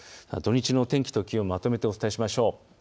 土日の天気と気温、まとめてお伝えします。